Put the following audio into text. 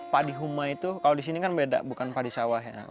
padi huma itu kalau di sini kan beda bukan padi sawah ya